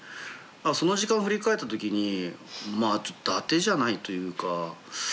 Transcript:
その時間振り返った時にだてじゃないというか。